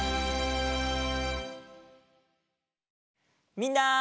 みんな！